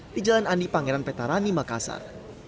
di jalan andi pangeran petarani makassar